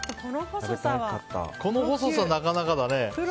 この細さ、なかなかだね。